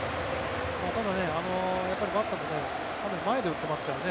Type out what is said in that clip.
ただ、バッターも前で打ってますからね。